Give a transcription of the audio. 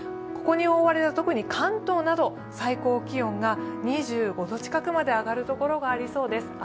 ここに覆われた、特に関東など最高気温が２５度近くまで上がる所がありそうです。